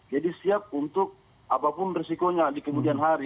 jadi siap untuk apapun resikonya di kemudian hari